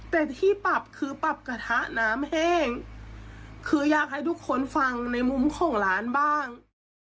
แต่ที่ปรับคือปรับกระทะน้ำแห้งคืออยากให้ทุกคนฟังในมุมของร้านบ้าง